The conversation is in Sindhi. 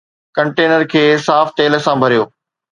ڪنٽينر کي صاف تيل سان ڀريو